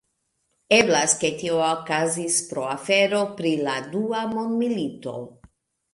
Eblas ke tio okazis pro afero pri la Dua Mondmilito.